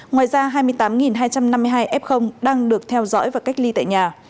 ngoài ra hai mươi tám hai trăm năm mươi hai f đang được theo dõi và cách ly tại nhà